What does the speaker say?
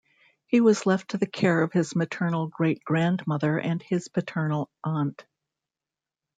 He was left to the care of his maternal great-grandmother and his paternal aunt.